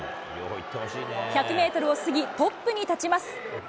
１００メートルを過ぎ、トップに立ちます。